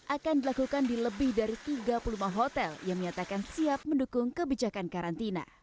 akan dilakukan di lebih dari tiga puluh lima hotel yang menyatakan siap mendukung kebijakan karantina